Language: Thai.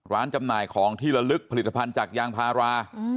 จำหน่ายของที่ละลึกผลิตภัณฑ์จากยางพารา